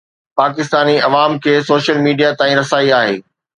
پاڪستاني عوام کي social media تائين رسائي آهي